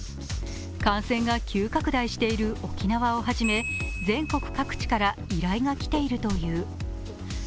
感染が急拡大している沖縄をはじめ全国各地から依頼が来ているという。